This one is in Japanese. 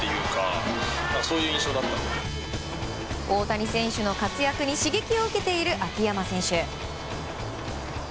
大谷選手の活躍に刺激を受けている秋山選手。